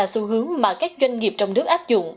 xu hướng mà các doanh nghiệp trong nước áp dụng